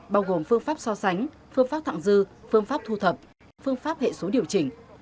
bao gồm phương pháp so sánh phương pháp thẳng dư phương pháp thu thập phương pháp hệ số điều chỉnh